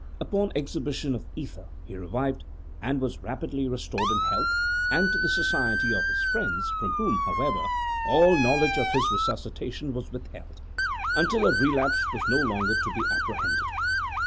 Upon exhibition of ether he revived and was rapidly restored to health, and to the society of his friends from whom, however, all knowledge of his resuscitation was withheld, until a relapse was no longer to be apprehended.